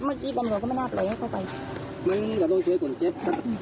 เมื่อกี้ตำรวจก็ไม่น่าปล่อยเข้าไปมันก็ต้องช่วยก่อนเจ็บครับ